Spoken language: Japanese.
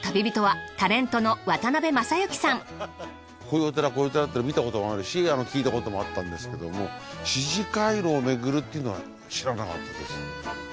今回の旅人はこういうお寺って見たこともあるし聞いたこともあったんですけども四寺廻廊を巡るっていうのは知らなかったです。